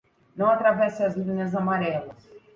Não atravesse as linhas amarelas.